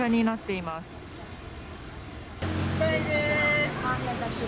いっぱいでーす。